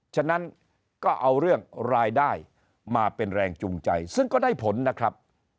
ฉะนั้นก็เอาเรื่องรายได้มาเป็นแรงจูงใจซึ่งก็ได้ผลนะครับ